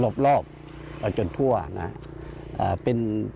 ประชาชนรอบจนทั่ว